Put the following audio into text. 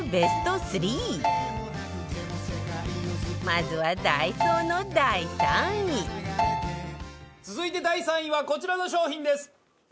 まずは ＤＡＩＳＯ の第３位続いて第３位はこちらの商品です！